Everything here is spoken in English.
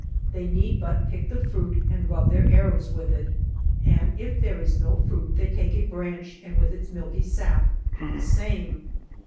They need but pick the fruit and rub their arrows with it ; and if there is no fruit they take a branch and with its milky sap do the same.